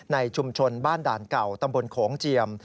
ในชุมชนบ้านด่านเก่าตำบลโขงเจียม